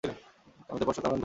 আমি তার পশ্চাতে আরোহণ করলাম।